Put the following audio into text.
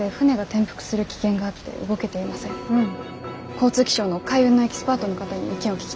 交通気象の海運のエキスパートの方に意見を聞きたいんですが。